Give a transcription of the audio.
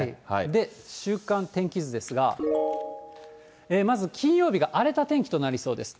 で、週間天気図ですが、まず金曜日が荒れた天気となりそうです。